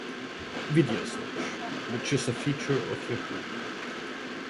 Video Search, which is a feature of Yahoo!